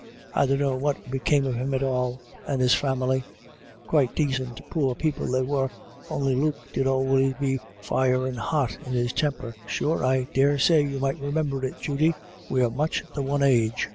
I dunno what became of him at all, and his family. Quite dacint poor people they were, on'y Luke did always be fiery hot in his temper. Sure, I daresay you might remimber it, Judy ; we're much the one age."